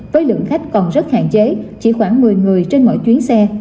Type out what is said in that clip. với lượng khách còn rất hạn chế chỉ khoảng một mươi người trên mỗi chuyến xe